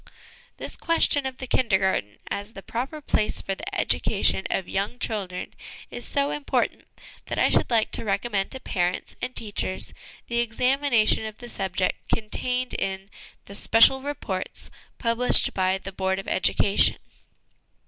This question of the Kindergarten, as the proper place for the education of young children, is so important that I should like to recommend to parents and teachers the examination of the subject contained in the Special Reports published by the Board of Education.